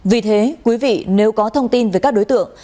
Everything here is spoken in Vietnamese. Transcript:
vì thế quý vị nếu có thông tin về các đối tượng